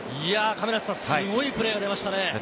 すごいプレーが出ましたね。